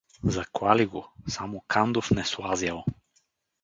Заклали го… Само Кандов не слазял.